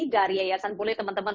dari yayasan bule teman teman